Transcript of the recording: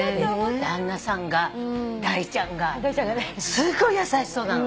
旦那さんがダイちゃんがすごい優しそうなの。